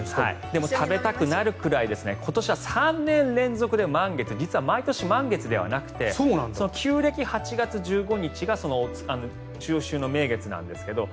でも、食べたくなるくらい今年は３年連続で満月、実は毎年満月ではなくて旧暦８月１５日が中秋の名月なんです